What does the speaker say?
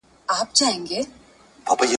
د مور له غېږي زنګېدلای تر پانوسه پوري ..